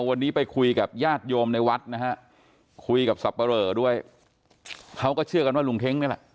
วันนี้ไปคุยกับญาติโยมในวัดนะฮะคุยกับสับปะเหลอด้วยเขาก็เชื่อกันว่าลุงเท้งนี่แหละ